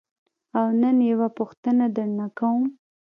او نن یوه پوښتنه درنه کوم.